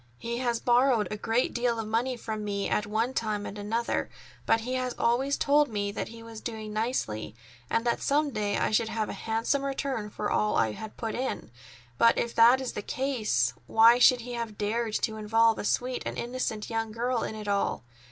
He has borrowed a great deal of money from me at one time and another, but he has always told me that he was doing nicely and that some day I should have a handsome return for all I had put in. But if that is the case, why should he have dared to involve a sweet and innocent young girl in it all?